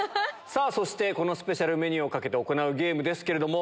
そしてこのスペシャルメニューを懸けて行うゲームですけども。